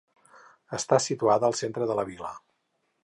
Està situada al centre de la vila.